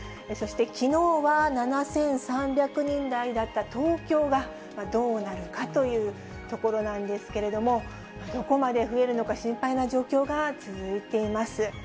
そしてきのうは７３００人台だった東京がどうなるかというところなんですけれども、どこまで増えるのか、心配な状況が続いています。